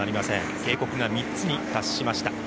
警告が３つに達しました。